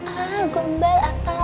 ah gembel apa lo